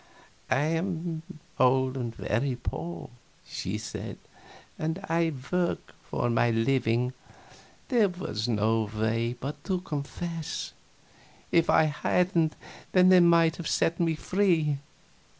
"I am old and very poor," she said, "and I work for my living. There was no way but to confess. If I hadn't they might have set me free.